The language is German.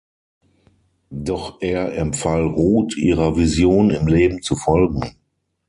Doch er empfahl Rut, ihrer Vision im Leben zu folgen.